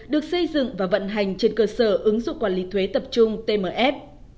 được xây dựng và vận hành trên cơ sở ứng dụng quản lý thuế tập trung tmf